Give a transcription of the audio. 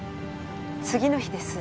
次の日です。